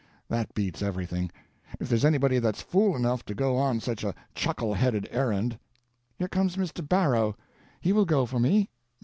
That beats everything. If there's anybody that's fool enough to go on such a chuckle headed errand—" "Here comes Mr. Barrow—he will go for me.